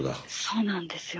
そうなんですよ。